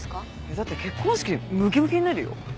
だって結婚式でムキムキになるよ。